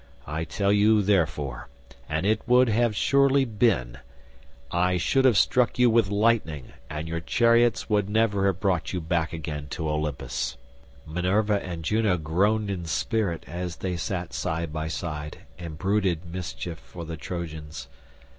I tell you therefore and it would have surely been—I should have struck you with lightning, and your chariots would never have brought you back again to Olympus." Minerva and Juno groaned in spirit as they sat side by side and brooded mischief for the Trojans.